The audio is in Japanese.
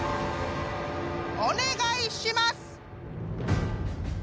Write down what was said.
お願いします！